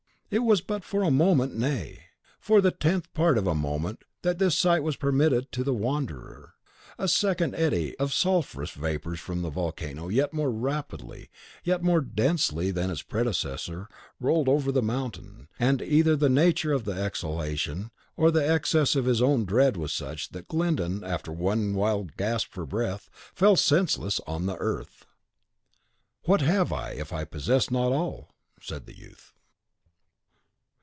It was but for a moment nay, for the tenth part of a moment that this sight was permitted to the wanderer. A second eddy of sulphureous vapours from the volcano, yet more rapidly, yet more densely than its predecessor, rolled over the mountain; and either the nature of the exhalation, or the excess of his own dread, was such, that Glyndon, after one wild gasp for breath, fell senseless on the earth. CHAPTER 3.XI. Was hab'ich, Wenn ich nicht Alles habe? sprach der Jungling. "Das Verschleierte Bild zu Sais." ("What have I, if I possess not All?" said the youth.)